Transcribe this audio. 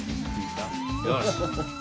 よし！